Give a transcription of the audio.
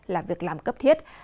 là việc làm cấp thiết